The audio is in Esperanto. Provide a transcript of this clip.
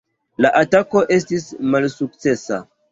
La atako estis malsukcesa.